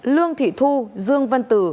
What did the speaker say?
lương thị thu dương văn tử